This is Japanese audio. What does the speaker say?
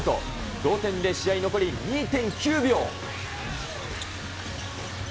同点で試合残り２．９秒。